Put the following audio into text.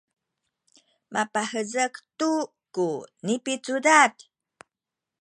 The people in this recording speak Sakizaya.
mapahezek tu ku nipicudad